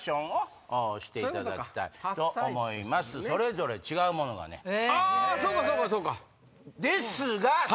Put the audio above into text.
それぞれ違うものがね。